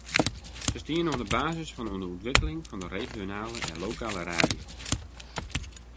Se stienen oan de basis fan de ûntwikkeling fan de regionale en lokale radio.